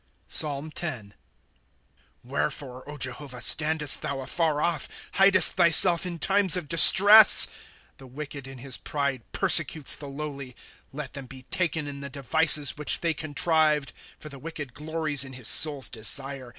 PSALM X. ^ Wherefore, Jehovah, standest thou afar off, Hidest thyself in times of distress? 2 The wicked in his pride persecutes the lowly ; Let them be taken in the devices which they contrived. ' For the wicked glories in his soul's desire.